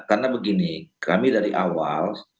karena begini kami dari awal